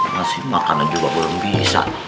masih makanan juga belum bisa